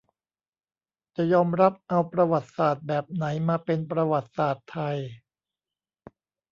จะยอมรับเอาประวัติศาสตร์แบบไหนมาเป็นประวัติศาสตร์ไทย